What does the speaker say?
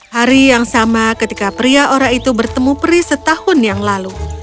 hari yang sama ketika pria ora itu bertemu dengan pria itu